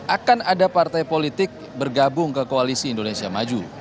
akan ada partai politik bergabung ke koalisi indonesia maju